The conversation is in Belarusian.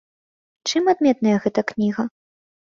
Чым адметная гэта кніга?